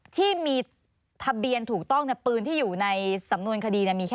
ที่มีทะเบียนถูกต้องปืนที่อยู่ในสำนวนคดีมีแค่